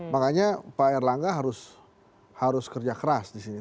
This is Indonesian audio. makanya pak erlangga harus kerja keras di sini